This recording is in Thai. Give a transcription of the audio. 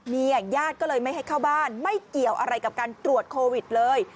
ญาติก็เลยไม่ให้เข้าบ้านไม่เกี่ยวอะไรกับการตรวจโควิดเลย